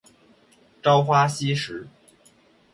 朝花夕拾